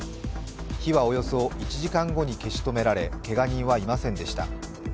火はおよそ１時間後に消し止められけが人はいませんでした。